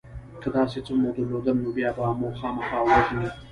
که داسې څه مو درلودل نو بیا به مو خامخا وژني